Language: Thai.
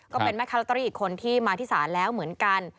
ก็เป็นแม่ค้าลอตเตอรี่อีกคนที่มาที่ศาลแล้วเหมือนกัน